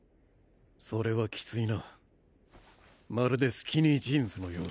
それはキツイなまるでスキニージーンズのようだ。